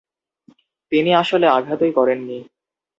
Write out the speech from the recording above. তিনি আসলে আঘাতই করেননি।